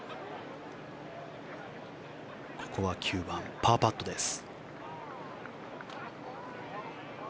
ここは９番パーパットです。